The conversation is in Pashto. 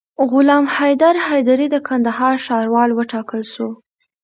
غلام حیدر حمیدي د کندهار ښاروال وټاکل سو